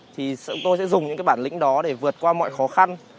thì tôi sẽ dùng những cái bản lĩnh đó để vượt qua mọi khó khăn